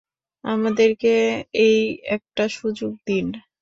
আমাদেরকে এই একটা সুযোগ দিন।